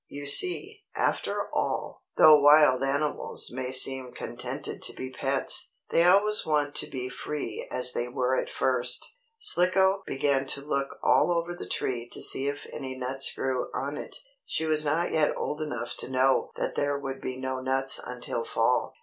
You see, after all, though wild animals may seem contented to be pets, they always want to be free as they were at first. Slicko began to look all over the tree to see if any nuts grew on it. She was not yet old enough to know that there would be no nuts until fall.